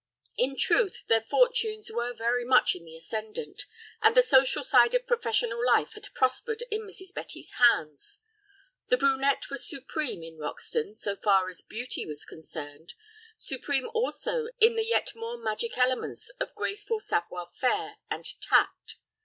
In truth, their fortunes were very much in the ascendant, and the social side of professional life had prospered in Mrs. Betty's hands. The brunette was supreme in Roxton so far as beauty was concerned, supreme also in the yet more magic elements of graceful savoir faire and tact.